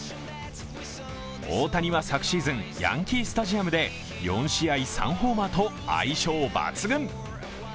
大谷は昨シーズン、ヤンキースタジアムで４試合３ホーマーと相性抜群。